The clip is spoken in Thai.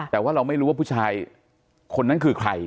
แต่ว่าเราไม่รู้ว่าผู้ชายคนนั้นคือใคร